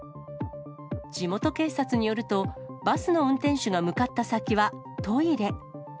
地元警察によると、バスの運転手が向かった先はトイレ。